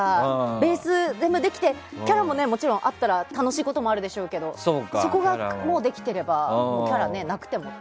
ベースが全部できてキャラも、もちろんあったら楽しいこともあるでしょうけどそこが、もうできていればキャラはなくても。